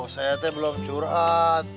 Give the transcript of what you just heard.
saya tuh belum curhat